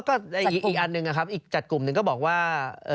ก็อีกอันหนึ่งนะครับอีกจัดกลุ่มหนึ่งก็บอกว่า